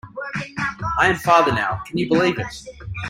I am father now, can you believe it?